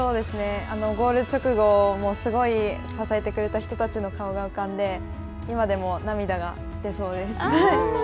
ゴール直後、すごい支えてくれた人たちの顔を浮かんで、今でも涙が出そうです。